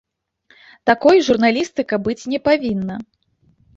Такой журналістыка быць не павінна.